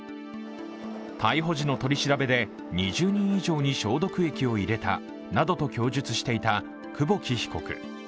逮捕時の取り調べで２０人以上に消毒液を入れたなどと供述していた久保木被告。